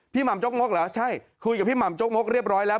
หม่ำจกมกเหรอใช่คุยกับพี่หม่ำจกมกเรียบร้อยแล้ว